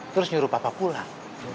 terus nyuruh papa pulang